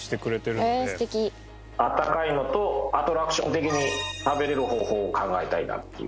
あったかいのとアトラクション的に食べられる方法を考えたいなっていう。